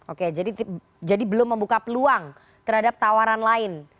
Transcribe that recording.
oke jadi belum membuka peluang terhadap tawaran lain